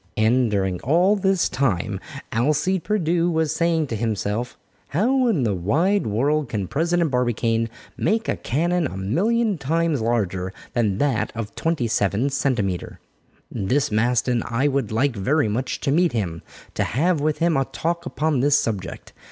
And during all this time Alcide Pierdeux was saying to himself, "How in the wide world can President Barbicane make a cannon a million times larger than that of twenty seven centimetre? This Maston, I would like very much to meet him to have with him a talk upon this subject.